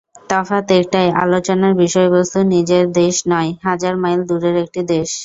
তফাত একটাই—আলোচনার বিষয়বস্তু নিজের দেশ নয়, হাজার মাইল দূরের একটি দেশ।